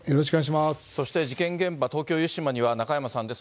そして事件現場、東京・湯島には中山さんです。